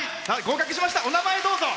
お名前、どうぞ。